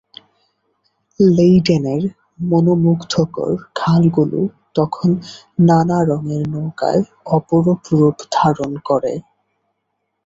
লেইডেনের মনোমুগ্ধকর খালগুলো তখন নানা রঙের নৌকায় অপরূপ রূপ ধারণ করে।